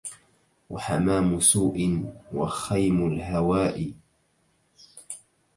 وحمام سوء وخيم الهواء